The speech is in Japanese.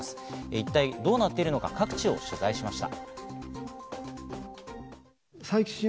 一体どうなっているのか各地を取材しました。